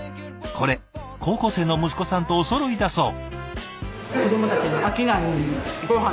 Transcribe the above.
これ高校生の息子さんとおそろいだそう。